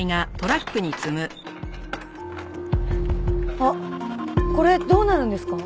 あっこれどうなるんですか？